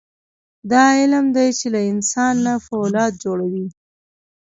دا علم دی چې له انسان نه فولاد جوړوي.